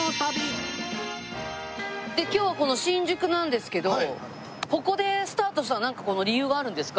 今日はこの新宿なんですけどここでスタートしたのはなんか理由があるんですか？